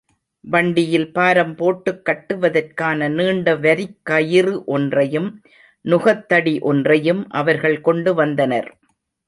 வண்டியில் பாரம் போட்டுக் கட்டுவதற்கான நீண்ட வரிக்கயிறு ஒன்றையும், நுகத்தடி ஒன்றையும் அவர்கள் கொண்டுவந்தனர்.